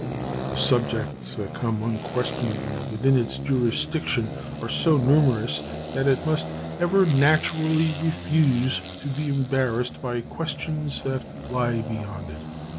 The subjects that come unquestionably within its jurisdiction are so numerous that it must ever naturally refuse to be embarrassed by questions that lie beyond it.